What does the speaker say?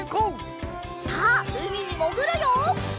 さあうみにもぐるよ！